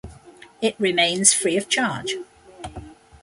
It remains free of charge.